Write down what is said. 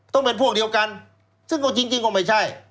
ต้องเป็นพวกเดียวกันซึ่งก็จริงก็ไม่ใช่